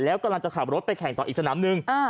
แล้วกำลังจะขับรถไปแข่งต่ออีกสนามหนึ่ง